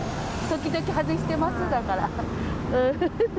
時々外してます、だから。